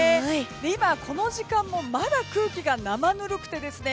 今、この時間もまだ空気が生ぬるくてですね